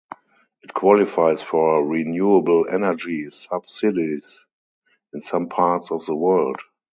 It qualifies for renewable energy subsidies in some parts of the world.